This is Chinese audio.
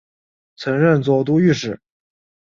曾任左都御史。